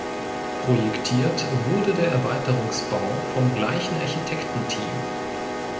Projektiert wurde der Erweiterungsbau vom gleichen Architekten-Team.